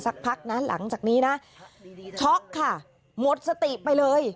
พักนะหลังจากนี้นะช็อกค่ะหมดสติไปเลย